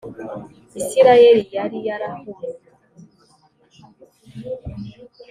isirayeli yari yarahumye